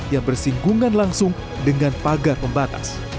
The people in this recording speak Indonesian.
yang bersinggungan langsung dengan pagar pembatas